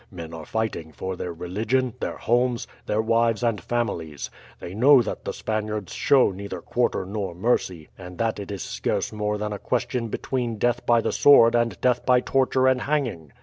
Men are fighting for their religion, their homes, their wives and families. They know that the Spaniards show neither quarter nor mercy, and that it is scarce more than a question between death by the sword and death by torture and hanging.